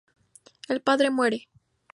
El padre muere.